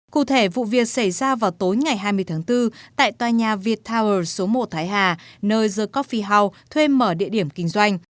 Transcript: cụ thể vụ việc xảy ra vào tối ngày hai mươi tháng bốn tại tòa nhà viettower số một thái hà nơi the cophie house thuê mở địa điểm kinh doanh